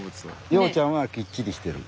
陽ちゃんはきっちりしてる。